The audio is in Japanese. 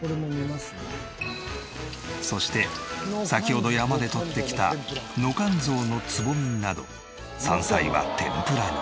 そして先ほど山で採ってきたノカンゾウのつぼみなど山菜は天ぷらに。